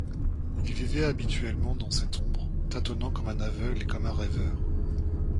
Il vivait habituellement dans cette ombre, tâtonnant comme un aveugle et comme un rêveur.